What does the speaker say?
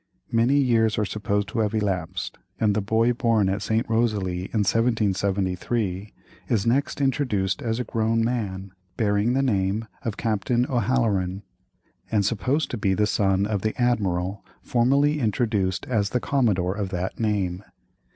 Many years are supposed to have elapsed, and the boy born at St. Rosalie, in 1773, is next introduced as a grown man bearing the name of Captain O'Haleran, and supposed to be the son of the admiral formerly introduced as the commodore of that name.